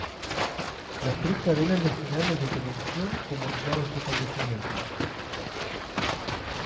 Las tres cadenas nacionales de televisión comunicaron su fallecimiento.